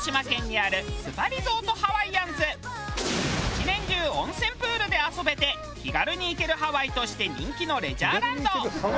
１年中温泉プールで遊べて気軽に行けるハワイとして人気のレジャーランド。